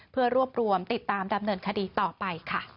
เพื่อรวบรวมติดตามดำเนินคดีต่อไปค่ะ